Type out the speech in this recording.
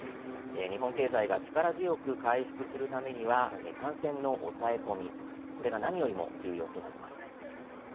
日本経済が力強く回復するためには感染の抑え込み、これが何よりも重要となります。